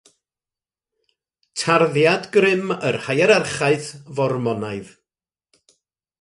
Tarddiad Grym yr Hierarchaeth Formonaidd.